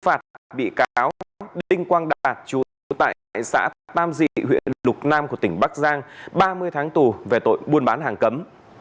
phạt bị cáo đinh quang đạt chủ tại xã tam dị huyện lục nam tp bắc giang ba mươi tháng tù về tội buôn bán hàng cấm